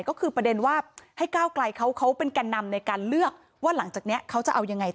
ก็คือประเด็นว่าให้ก้าวไกลเขาเป็นแก่นำในการเลือกว่าหลังจากนี้เขาจะเอายังไงต่อ